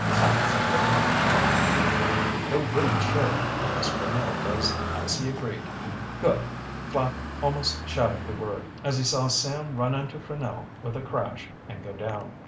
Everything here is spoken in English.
"Confound him," thought Lew Flapp. "He'll win sure, unless Franell does as he agreed good!" Flapp almost shouted the word, as he saw Sam run into Franell with a crash and go down.